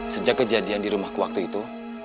sejak kejadian dirumahku waktu itu